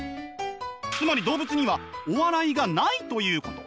つまり動物にはお笑いがないということ。